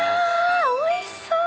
おいしそう！